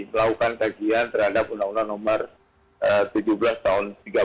melakukan kajian terhadap undang undang nomor tujuh belas tahun dua ribu tiga belas